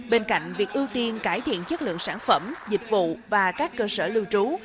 bên cạnh việc ưu tiên cải thiện chất lượng sản phẩm dịch vụ và các cơ sở lưu trú